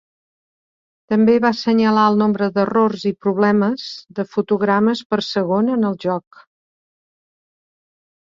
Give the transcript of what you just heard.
També va assenyalar el nombre d’errors i problemes de fotogrames per segon en el joc.